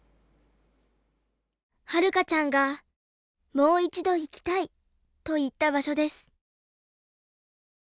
はるかちゃんが「もう一度行きたい」と言った場所です。